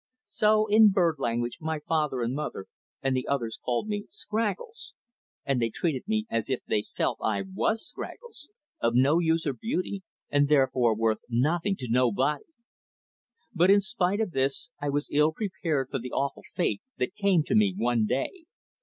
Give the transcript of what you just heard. So in bird language my father and mother and the others all called me Scraggles, and they treated me as if they felt I was Scraggles of no use or beauty, and therefore worth "nothing to nobody." But in spite of this, I was ill prepared for the awful fate that came to me one day.